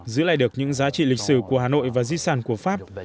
giữ lại được những giá trị lịch sử của hà nội và di sản của pháp